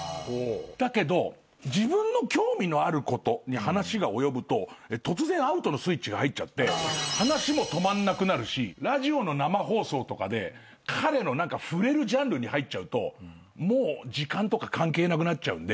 だけど自分の興味のあることに話が及ぶと突然アウトのスイッチが入っちゃって話も止まんなくなるしラジオの生放送とかで彼の触れるジャンルに入っちゃうと時間関係なくなっちゃうんで。